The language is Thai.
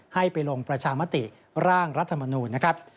ให้ไปลงประชามติร่างรัฐมนูลนะครับ